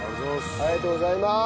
ありがとうございます。